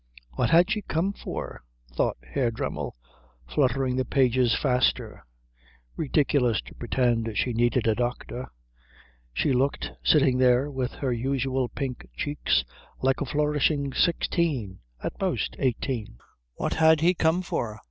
What had she come for? thought Herr Dremmel, fluttering the pages faster. Ridiculous to pretend she needed a doctor. She looked, sitting there with her unusual pink cheeks, like a flourishing sixteen at most eighteen. What had he come for?